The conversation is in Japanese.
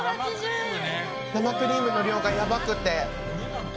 生クリームの量がやばくて。